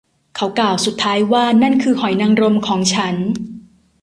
เขากล่าวสุดท้ายว่า นั่นคือหอยนางรมของฉัน